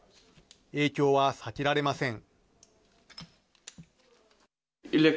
影響は避けられません。